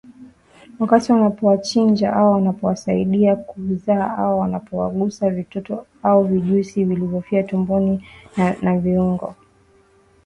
wakati wanapowachinja au wanapowasaidia kuzaa au wanapogusa vitoto au vijusi vilivyofia tumboni na viungo